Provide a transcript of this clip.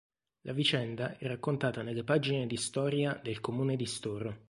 La vicenda è raccontata nelle pagine di storia del comune di Storo.